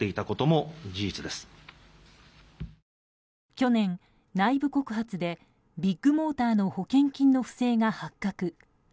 去年、内部告発でビッグモーターの保険金の不正が発覚。